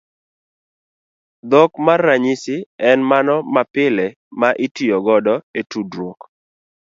Dhok mar ranyisi en mano mapile ma itiyo godo e tudruok.